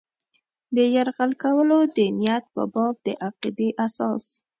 د یرغل کولو د نیت په باب د عقیدې اساس.